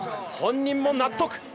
本人も納得。